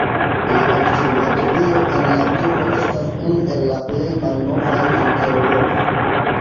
La observatorio en la turo estas unu el la plej malnovaj en Eŭropo.